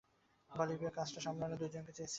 বলিভিয়ার কাজটা সামলানো দুইজনকে চেয়েছিল।